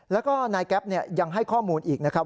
แล้วก็นายแก๊ปยังให้ข้อมูลอีกนะครับ